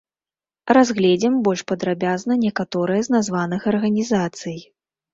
Разгледзім больш падрабязна некаторыя з названых арганізацый.